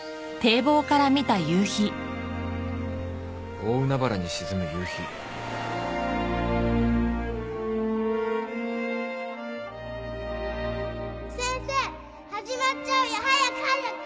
大海原に沈む夕日先生始まっちゃうよ早く早く！